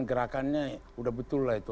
gerakannya udah betul lah itu